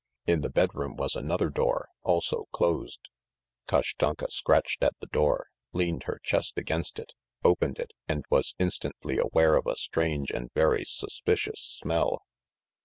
In the bedroom was another door, also closed. Kashtanka scratched at the door, leaned her chest against it, opened it, and was instantly aware of a strange and very suspicious smell.